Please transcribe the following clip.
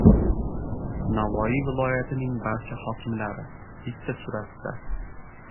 Navoiy viloyatining barcha hokimlari — bitta suratda